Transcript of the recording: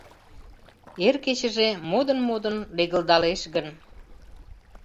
Эр кечыже модын-модын легылдалеш гын